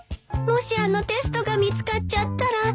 もしあのテストが見つかっちゃったら